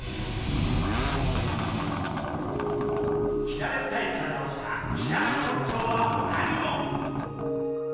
平べったい体をしたヒラメのとくちょうはほかにも！